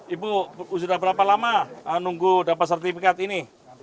ibu sudah berapa lama nunggu dapat sertifikat ini